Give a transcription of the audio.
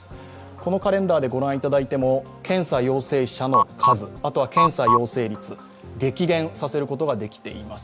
このカレンダーで御覧いただいても検査陽性者の数あとは検査陽性率、激減させることができています。